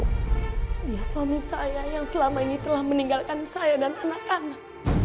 dia suami saya yang selama ini telah meninggalkan saya dan anak anak